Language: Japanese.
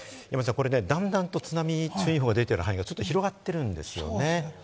段々、津波注意報が出ている範囲が広がっているんですよね。